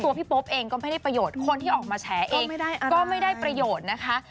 พี่โป๊ปเองก็ไม่ได้ประโยชน์คนที่ออกมาแฉเองก็ไม่ได้ประโยชน์นะคะ